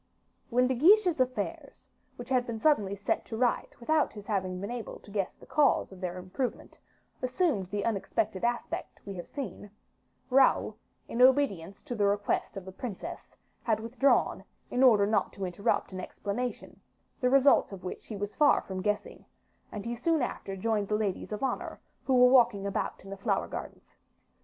When De Guiche's affairs, which had been suddenly set to right without his having been able to guess the cause of their improvement, assumed the unexpected aspect we have seen, Raoul, in obedience to the request of the princess, had withdrawn in order not to interrupt an explanation, the results of which he was far from guessing; and he soon after joined the ladies of honor who were walking about in the flower gardens.